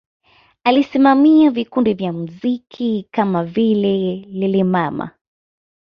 Alisimamia vikundi vya muziki kama vile Lelemama